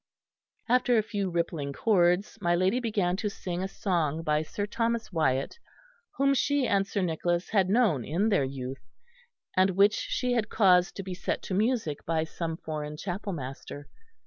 After a few rippling chords my lady began to sing a song by Sir Thomas Wyatt, whom she and Sir Nicholas had known in their youth; and which she had caused to be set to music by some foreign chapel master.